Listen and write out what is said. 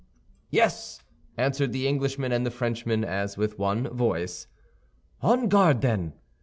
"Yes!" answered the Englishmen and the Frenchmen, as with one voice. "On guard, then!"